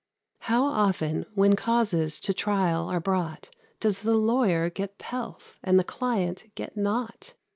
How often, when causes to trial are brought, Does the lawyer get pelf and the client get naught!